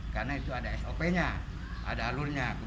karena itu ada sop nya ada alurnya